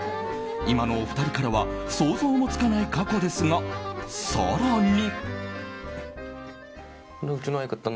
今のお二人からは想像もつかない過去ですが更に。